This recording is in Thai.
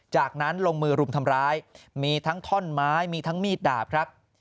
จากนั้นลงมือรุมทำร้ายมีทั้งท่อนไม้มีทั้งมีดดาบครับ